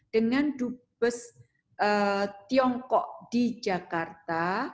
dengan dut bes tiongkok di jakarta